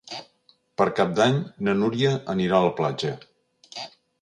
Per Cap d'Any na Núria anirà a la platja.